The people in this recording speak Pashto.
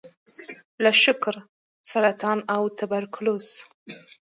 لکه شکر، سرطان او توبرکلوز.